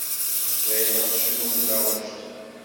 Bɣiɣ ad d-tecnum taɣect.